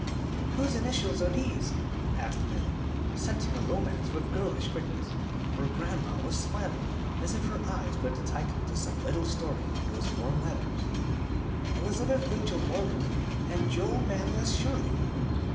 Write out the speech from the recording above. "Whose initials are these?" asked Min, scenting a romance with girlish quickness, for grandma was smiling as if her eyes read the title to some little story in those worn letters. "Elizabeth Rachel Morgan, and Joel Manlius Shirley.